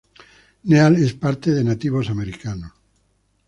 Neal es parte de Nativos Americanos.